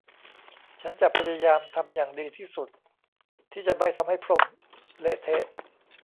ฉันจะพยายามทำอย่างดีที่สุดที่จะไม่ทำให้พรมเละเทะ